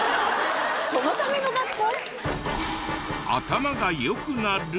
そのための学校？